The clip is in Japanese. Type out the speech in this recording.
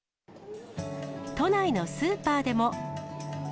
都内のスーパーでも。